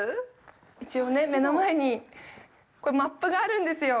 一応ね、目の前にマップがあるんですよ。